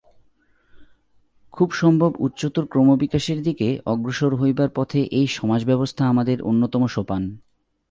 খুব সম্ভব উচ্চতর ক্রমবিকাশের দিকে অগ্রসর হইবার পথে এই সমাজ-ব্যবস্থা আমাদের অন্যতম সোপান।